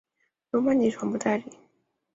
由曼迪传播代理。